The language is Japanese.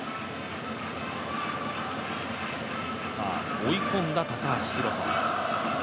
追い込んだ高橋宏斗。